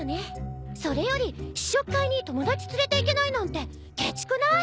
それより試食会に友達連れていけないなんてケチくない？